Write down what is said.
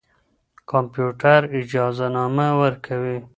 کمپيوټر اجازهنامه ورکوي.